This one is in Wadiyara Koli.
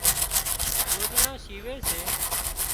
ڳوۮڙان شيوي سي